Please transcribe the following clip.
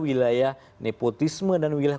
wilayah nepotisme dan wilayah